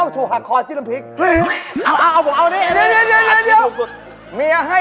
ถูกหรือเปล่า